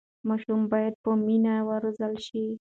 ماشومان باید په مینه وروزل شي.